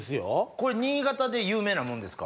これ新潟で有名なもんですか？